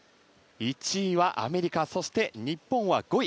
１位はアメリカそして日本は５位。